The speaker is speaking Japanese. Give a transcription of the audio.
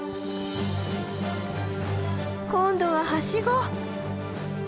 今度はハシゴ。